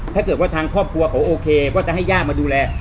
ถ้าเกิดว่าทางครอบครัวเขาโอเคว่าจะให้ย่ามาดูแล